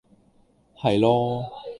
係囉